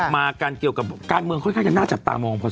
มาการเกี่ยวกับการเมืองค่อยจะหน้าจับตา๑วัน